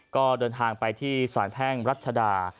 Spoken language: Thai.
ก็เดินทางไปที่สารแพ่งรัชดา